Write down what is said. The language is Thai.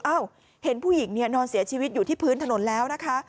เห็นผู้หญิงเนี่ยนอนเสียชีวิตอยู่ที่พื้นถนนแล้วนะคะ